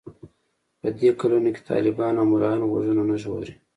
په دې کلونو کې طالبان او ملايان غوږونه نه ژغوري.